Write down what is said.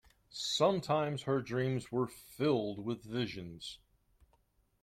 Sometimes her dreams were filled with visions.